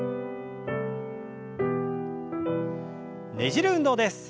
ねじる運動です。